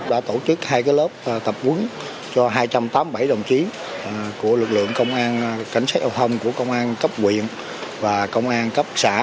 đã tổ chức hai lớp tập quấn cho hai trăm tám mươi bảy đồng chí của lực lượng công an cảnh sát giao thông của công an cấp quyện và công an cấp xã